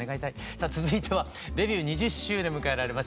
さぁ続いてはデビュー２０周年迎えられます。